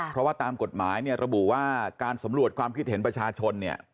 เพราะว่าตามกฎหมายเนี่ยระบุว่าการสำรวจความคิดเห็นประชาชนเนี่ย